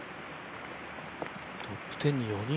トップ１０に４人？